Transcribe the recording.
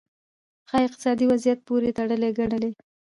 ښايي اقتصادي وضعیت پورې تړلې ګڼلې.